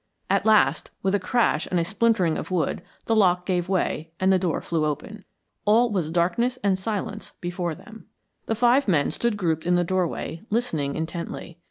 At last, with a crash and a splintering of wood, the lock gave way and the door flew open. All was darkness and silence before them. The five men stood grouped in the doorway, listening intently.